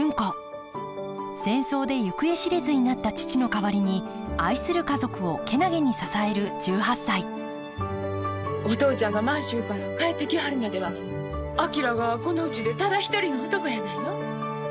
戦争で行方知れずになった父の代わりに愛する家族を健気に支える１８歳お父ちゃんが満州から帰ってきはるまでは昭がこのうちでただ一人の男やないの。